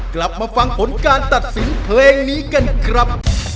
กลับมาฟังผลการตัดสินเพลงนี้กันครับ